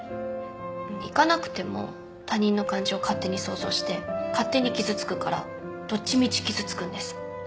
行かなくても他人の感情勝手に想像して勝手に傷つくからどっちみち傷つくんです。